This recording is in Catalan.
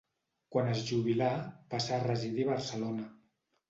Quan es jubilà passà a residir a Barcelona.